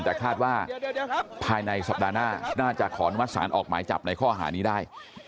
แต่คาดว่าภายในสัปดาห์หน้าน่าจะขออนุมัติศาลออกหมายจับในข้อหานี้ได้